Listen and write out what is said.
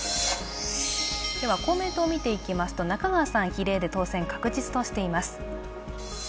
公明党を見ていきますと中川さん、比例で当選確実としています。